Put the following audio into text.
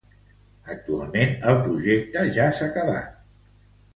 Actualment el projecte ja s'ha acabat.